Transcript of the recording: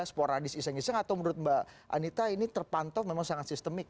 sporadis iseng iseng atau menurut mbak anita ini terpantau memang sangat sistemik